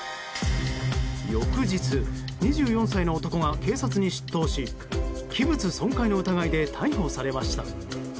翌日、２４歳の男が警察に出頭し器物損壊の疑いで逮捕されました。